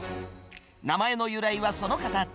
名前の由来はその形。